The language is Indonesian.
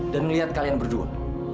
dan ngeliat kalian berdua